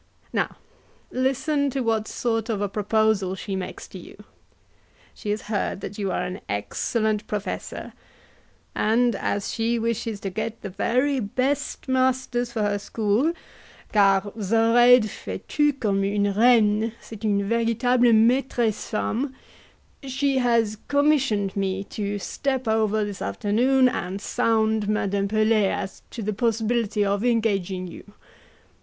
Now, listen what sort of a proposal she makes to you. She has heard that you are an excellent professor, and as she wishes to get the very best masters for her school (car Zoraide fait tout comme une reine, c'est une veritable maitresse femme), she has commissioned me to step over this afternoon, and sound Madame Pelet as to the possibility of engaging you.